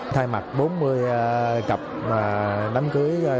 thay mặt bốn mươi cặp đám cưới